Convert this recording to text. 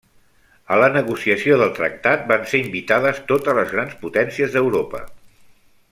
A la negociació del tractat van ser invitades totes les Grans Potències d'Europa.